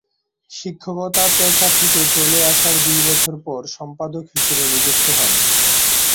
শিক্ষকতা পেশা থেকে চলে আসার দুই বছর পর সম্পাদক হিসেবে নিযুক্ত হন।